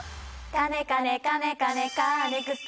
カネカネカネカネカーネクスト